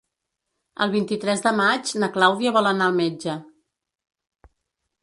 El vint-i-tres de maig na Clàudia vol anar al metge.